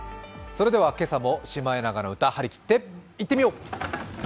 それでは今朝もシマエナガの歌、張り切っていってみよう！